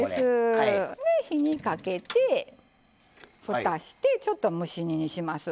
火にかけて、ふたして、ちょっと蒸し煮にします。